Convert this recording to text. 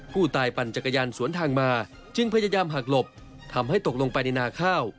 ปั่นจักรยานสวนทางมาจึงพยายามหักหลบทำให้ตกลงไปในนาข้าว